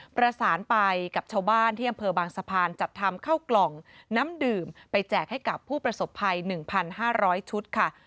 ประสานไปกับชาวบ้านที่อำเภอบางสะพานจัดทำเข้ากล่องน้ำดื่มไปแจกให้กับผู้ประสบภัย๑๕๐๐ชุดค่ะ